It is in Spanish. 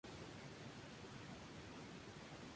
Éste es un gran acto de filmación y de actuación.